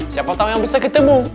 siapa tahu yang bisa ketemu